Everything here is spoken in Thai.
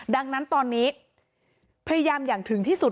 ดังนั้นตอนนี้พยายามอย่างถึงที่สุด